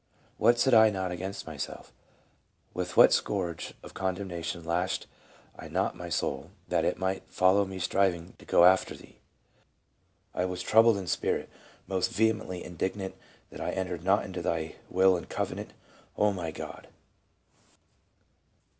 ..... What said I not against myself ? With what scourge of condemnation lashed I not my soul, that it might follow me striving to go after Thee !.... I was trou bled in spirit, most vehemently indignant that I entered not into Thy will and covenant, O my God!"